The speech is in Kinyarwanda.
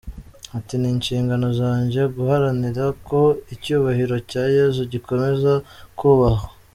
Ati,“Ni inshingano zanjye guharanira ko Icyubahiro cya Yezu gikomeza kubahwa.